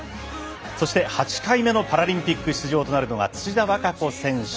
そして８回目のパラリンピック出場となるのが土田和歌子選手。